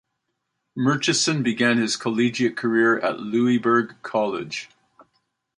Murchison began his collegiate career at Louisburg College.